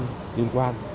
để phòng chống dịch